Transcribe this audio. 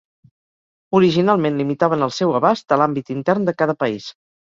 Originalment limitaven el seu abast a l'àmbit intern de cada país.